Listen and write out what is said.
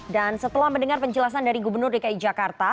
dan setelah mendengar penjelasan dari gubernur dki jakarta